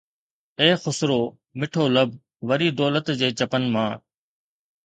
اي خسرو مٺو لب وري دولت جي چپن مان